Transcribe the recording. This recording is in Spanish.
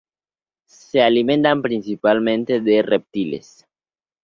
Se alimentan principalmente de reptiles.